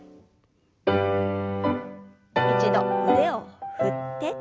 一度腕を振って。